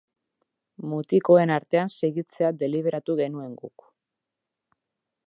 Mutikoen artean segitzea deliberatu genuen guk.